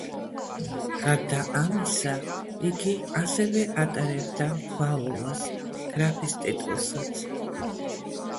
გარდა ამისა, იგი ასევე ატარებდა ვალუას გრაფის ტიტულსაც.